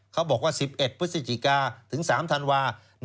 เขาบอกว่า๑๑พฤศจิกาถึง๓ธันวา